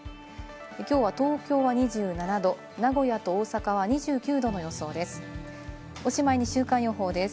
きょうは東京は２７度、名古屋と大阪は２９度の予想です。